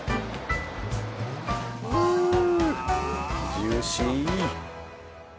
ジューシー！